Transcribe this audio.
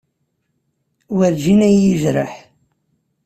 Werǧin ay iyi-yejriḥ.